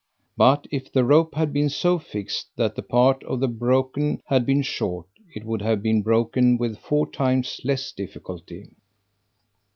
But if the rope had been so fixed, that the part to be broken had been short, it would have been broken with four times less difficulty.